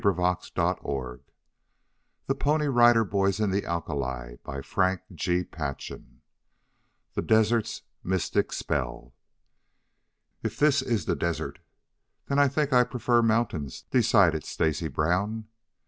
CONCLUSION The Pony Rider Boys in the Alkali CHAPTER I THE DESERT'S MYSTIC SPELL "If this is the desert, then I think I prefer mountains," decided Stacy Brown.